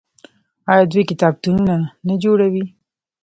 آیا دوی کتابتونونه نه جوړوي؟